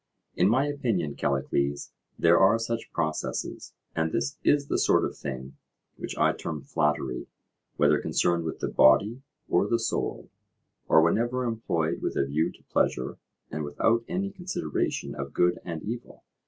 In my opinion, Callicles, there are such processes, and this is the sort of thing which I term flattery, whether concerned with the body or the soul, or whenever employed with a view to pleasure and without any consideration of good and evil.